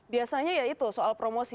biasanya ya itu soal promosi